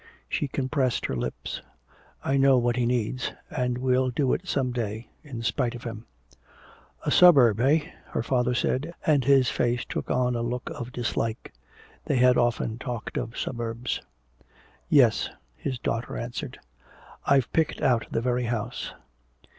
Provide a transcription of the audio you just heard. She compressed her lips. "I know what he needs and we'll do it some day, in spite of him." "A suburb, eh," her father said, and his face took on a look of dislike. They had often talked of suburbs. "Yes," his daughter answered, "I've picked out the very house."